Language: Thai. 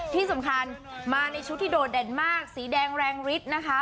ที่สำคัญมาในชุดที่โดดเด่นมากสีแดงแรงฤทธิ์นะคะ